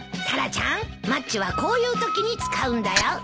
タラちゃんマッチはこういうときに使うんだよ。